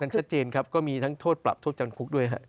ชัดเจนครับก็มีทั้งโชลปรับโชลจันทร์คลุกด้วยฮะ